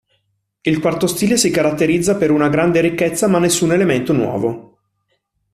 Il quarto stile si caratterizza per una grande ricchezza ma nessun elemento nuovo.